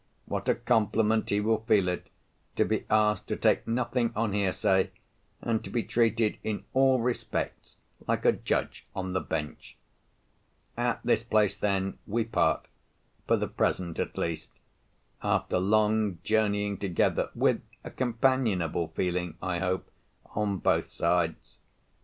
what a compliment he will feel it, to be asked to take nothing on hear say, and to be treated in all respects like a Judge on the bench. At this place, then, we part—for the present, at least—after long journeying together, with a companionable feeling, I hope, on both sides.